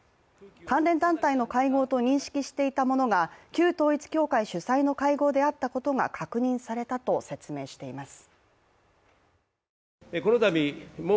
関連団体の会合と認識していたものが旧統一教会主催の会合であったことが確認されたと説明しています。